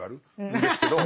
んですけど。